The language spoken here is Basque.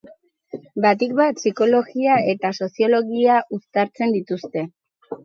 Batik bat, psikologia eta soziologia uztartzen dituzte.